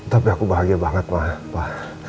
tapi aku bahagia banget pak